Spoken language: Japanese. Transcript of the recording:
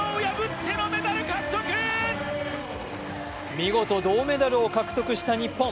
見事銅メダルを獲得した日本。